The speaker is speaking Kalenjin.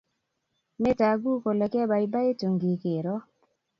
Metaguu kole kebaibaitu ngigeero